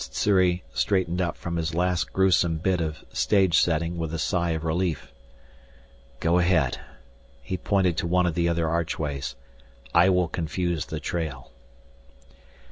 Sssuri straightened up from his last gruesome bit of stage setting with a sigh of relief. "Go ahead." He pointed to one of the other archways. "I will confuse the trail."